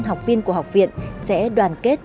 học viên của học viện sẽ đoàn kết